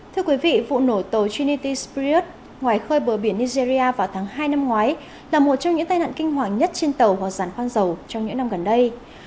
thưa quý vị vụ nổ tàu trinity spirius ngoài khơi bờ biển nigeria vào tháng hai năm ngoái là một trong những tai nạn kinh hoàng nhất trên tàu hoặc giàn khoan dầu trong những năm gần đây